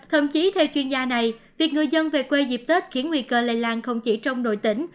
thậm chí theo chuyên gia này việc người dân về quê dịp tết khiến nguy cơ lây lan không chỉ trong nội tỉnh